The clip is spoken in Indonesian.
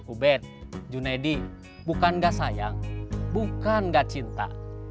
ubed junedi bukan gak sayang bukan gak cinta